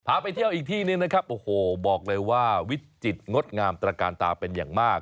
ไปเที่ยวอีกที่หนึ่งนะครับโอ้โหบอกเลยว่าวิจิตรงดงามตระการตาเป็นอย่างมาก